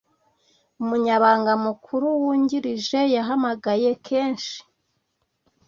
umunyamabanga mukuru wungirije yahamagaye kenshi